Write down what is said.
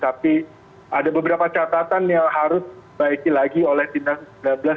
tapi ada beberapa catatan yang harus dibaiki lagi oleh timnas u sembilan belas